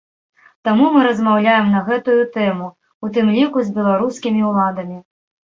Таму мы размаўляем на гэтую тэму, у тым ліку з беларускімі ўладамі.